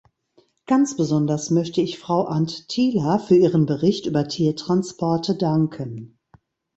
Ganz besonders möchte ich Frau Anttila für ihren Bericht über Tiertransporte danken.